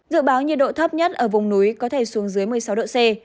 dự báo nhiệt độ thấp nhất ở vùng núi có thể xuống dưới một mươi sáu độ c